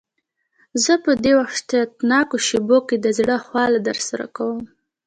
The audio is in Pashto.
زه په دې وحشتناکو شېبو کې د زړه خواله درسره کوم.